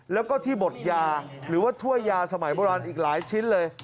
แล้วก็ที่บดยาหรือว่าถ้วยยาสมัยโบราณอีกหลายชิ้นเลย